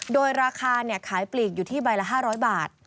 โดยราคาขายปลีกอยู่ที่ใบละ๕๐๐บาท